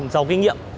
giàu kinh nghiệm